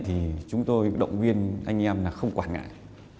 thì chúng tôi động viên anh em là không quản ngại